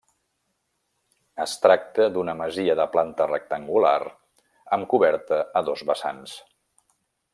Es tracta d'una masia de planta rectangular amb coberta a dos vessants.